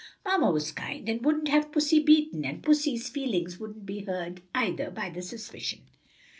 Mamma was kind, and wouldn't have pussy beaten, and pussy's feelings wouldn't be hurt, either, by the suspicion.